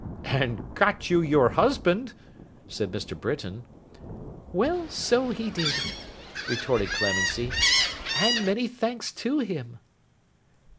'And got you your husband,' said Mr. Britain. 'Well! So he did,' retorted Clemency, 'and many thanks to him.